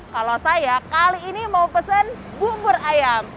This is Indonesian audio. kalau saya kali ini mau pesen bubur ayam